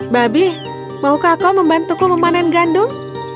babi maukah kau membantuku memanen gandum